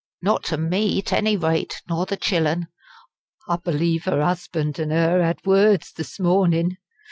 Not to me 't any rate, nor the chillen. I believe 'er 'usband an' 'er 'ad words this mornin'.